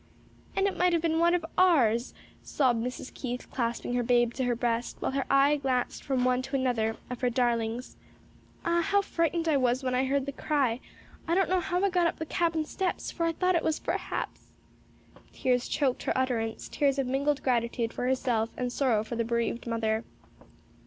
"And it might have been one of ours," sobbed Mrs. Keith, clasping her babe to her breast, while her eye glanced from one to another of her darlings. "Ah, how frightened I was when I heard the cry. I don't know how I got up the cabin steps! for I thought it was perhaps " Tears choked her utterance; tears of mingled gratitude for herself and sorrow for the bereaved mother.